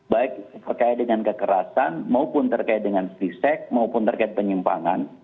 baik terkait dengan kekerasan maupun terkait dengan free sect maupun terkait penyimpangan